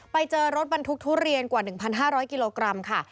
ไปเจอรถบรรทุกทุเรียนกว่า๑๕๐๐กิโลกรัมค่ะ